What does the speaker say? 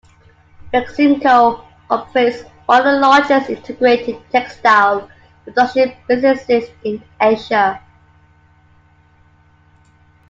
Beximco operates one of the largest integrated textile production businesses in Asia.